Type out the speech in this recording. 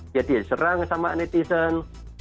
dia diserang sama netizen